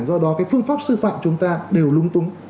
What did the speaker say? do đó cái phương pháp sư phạm chúng ta đều lung tung